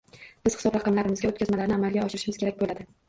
Biz hisob raqamlaringizga oʻtkazmalarni amalga oshirishimiz kerak boʻladi.